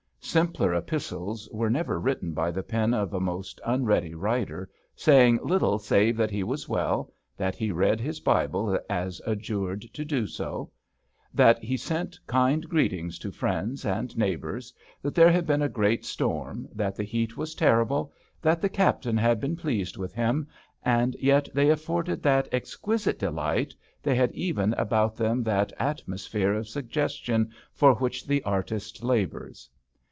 Simpler epistles were never written by the pen or a most unready writer, saying little save that he was well, that he read his Bible as adjured to do, that he sent kind greetings to friends and neighbours, that there had been a great storm, that the heat was terrible, that the captain had been pleased with him ; and yet they afforded that exquisite delight, they had even about them that atmosphere of suggestion for which the artist labours.